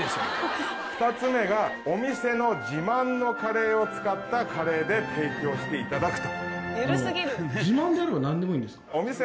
２つ目がお店の自慢のカレーを使ったカレーで提供していただく。